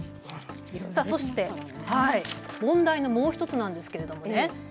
そして問題のもう１つなんですけれどもね。